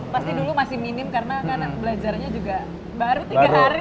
pasti dulu masih minim karena kan belajarnya juga baru tiga hari